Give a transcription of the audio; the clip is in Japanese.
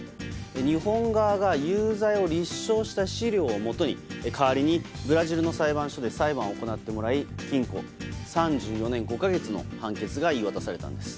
日本側が有罪を立証した資料をもとに代わりにブラジルの裁判所で裁判を行ってもらい禁錮３４年５か月の判決が言い渡されたんです。